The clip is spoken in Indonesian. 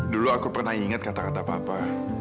dulu aku pernah ingat kata kata papa